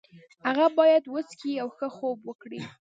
هغه باید وڅښي او ښه خوب وکړي.